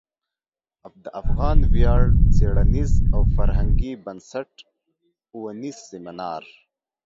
د افغان ویاړ څیړنیز او فرهنګي بنسټ او نیز سمینار